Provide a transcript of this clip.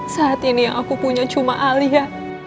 saat ini aku punya cuma alia